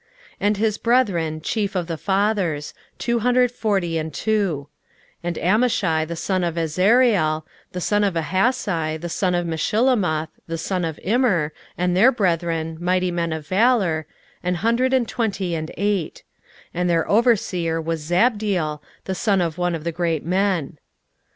16:011:013 And his brethren, chief of the fathers, two hundred forty and two: and Amashai the son of Azareel, the son of Ahasai, the son of Meshillemoth, the son of Immer, 16:011:014 And their brethren, mighty men of valour, an hundred twenty and eight: and their overseer was Zabdiel, the son of one of the great men.